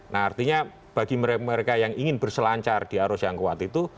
nah artinya bagi mereka yang ingin berselancar di arus yang kuat itu